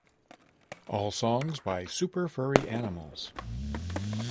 All songs by Super Furry Animals.